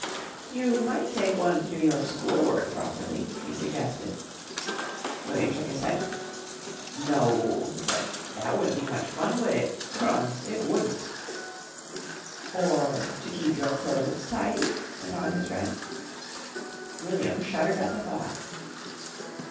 "You might take one to do your school work properly," he suggested. William shook his head. "No," he said, "that wun't be much fun, would it? Crumbs! It wun't!" "Or to keep your clothes tidy?" went on his friend. William shuddered at the thought.